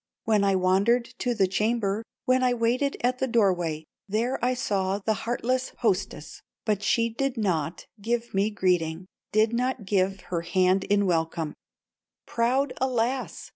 When I wandered to the chamber, When I waited at the doorway, There I saw the heartless hostess, But she did not give me greeting, Did not give her hand in welcome; Proud, alas!